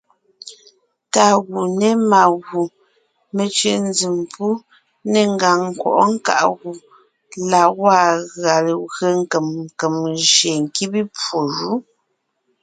Tá gù, ne má gu, me cʉ̀ʼ nzèm gù, ne ngàŋ nkwɔʼɔ́ nkáʼ gù la gwaa gʉa legwé nkèm nkèm jÿeen nkíbe pwó jú.